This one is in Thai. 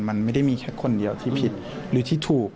มันไม่ได้มีแค่คนเดียวที่ผิดหรือที่ถูก